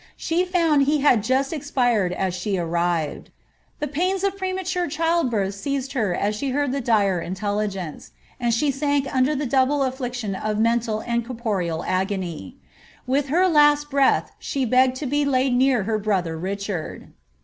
She found he had just expired as she airived. The pains of premature child birth seized her as she heard the dire intelligence, and she sank under the double afiliction of mental and corporeal agony. With her last breath she begged to be laid near her brother Richard."